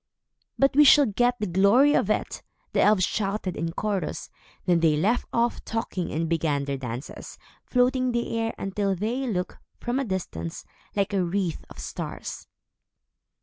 "But we shall get the glory of it," the elves shouted in chorus. Then they left off talking and began their dances, floating in the air, until they looked, from a distance, like a wreath of stars.